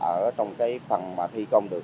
ở trong cái phần mà thi công được